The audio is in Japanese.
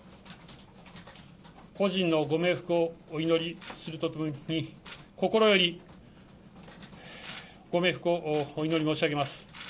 故人のご冥福をお祈りするとともに、心よりご冥福をお祈り申し上げます。